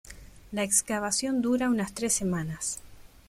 La excavación dura unas tres semanas.